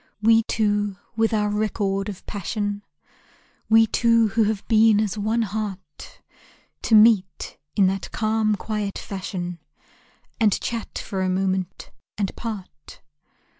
We two with our record of passion, We two who have been as one heart, To meet in that calm, quiet fashion, And chat for a moment and part.